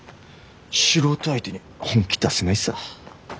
素人相手に本気出せないさ。